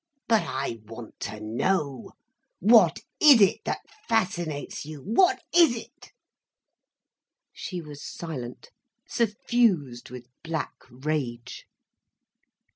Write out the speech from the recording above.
But I want to know, what it is that fascinates you—what is it?" She was silent, suffused with black rage.